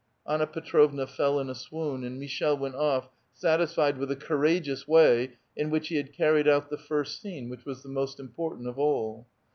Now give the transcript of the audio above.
" Anna Petrovna fell in a swoon, and Michel went off, satis fied with the courageous wa3' in which he had carried out the first scene, which was the most important of all.